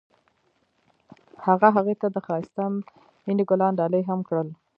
هغه هغې ته د ښایسته مینه ګلان ډالۍ هم کړل.